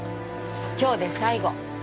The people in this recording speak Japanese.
今日で最後。